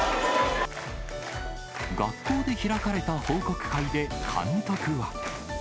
学校で開かれた報告会で、監督は。